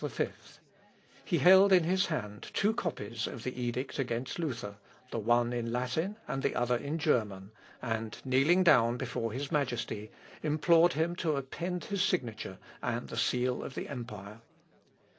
He held in his hand two copies of the edict against Luther, the one in Latin, and the other in German, and, kneeling down before his majesty, implored him to append his signature and the seal of the empire.